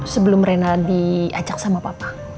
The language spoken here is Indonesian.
sebelum rena diajak sama papa